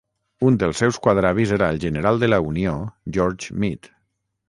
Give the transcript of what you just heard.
Un dels seus quadravis era el general de la Unió George Meade.